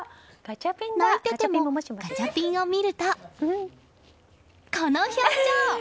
泣いてても、ガチャピンを見るとこの表情！